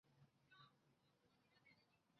拉比达也是该修道院所在地区的名称。